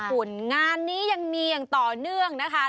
คุณงานนี้ยังมีอย่างต่อเนื่องนะคะ